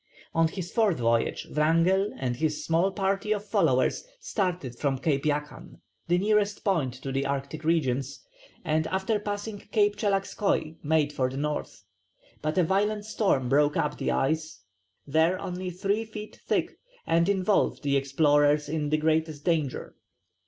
On his fourth voyage Wrangell and his small party of followers started from Cape Yakan, the nearest point to the Arctic regions, and, after passing Cape Tchelagskoi, made for the north; but a violent storm broke up the ice, there only three feet thick, and involved the explorers in the greatest danger.